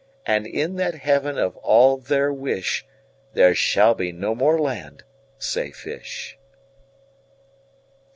33And in that Heaven of all their wish,34There shall be no more land, say fish.